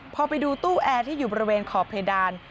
พอไปดูตู้แอร์ที่อยู่บริเวณขอบเพดาน